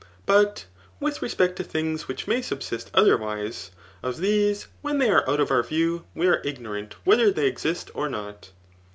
But with respect to things which may subsist otherwise, of these when they are out of our view we are ignorant whether they exist or not.